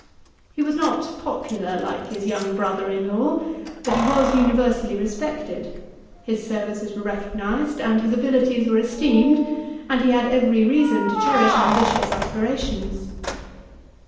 He was not popular, like his young brother in law, but he was universally respected; his services were recognised, and his abilities were esteemed ; and he had every reason to cherish ambitious aspirations.